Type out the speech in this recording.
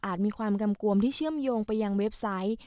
มีความกำกวมที่เชื่อมโยงไปยังเว็บไซต์